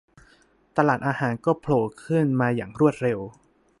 ตลาดอาหารก็โผล่ขึ้นมาอย่างรวดเร็ว